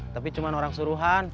tapi cuma orang suruhan